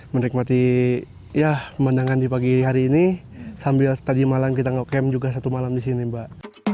menikmati ya pemandangan di pagi hari ini sambil tadi malam kita nge camp juga satu malam di sini mbak